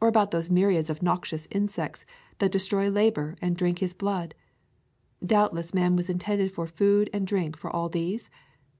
Or about those myriads of noxious insects that destroy labor and drink his blood? Doubtless man was intended for food and drink for all these?